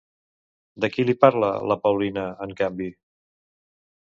De qui li parla la Paulina, en canvi?